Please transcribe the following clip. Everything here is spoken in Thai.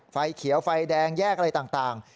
ไฟเขียวไฟแดงแยกอะไรต่าง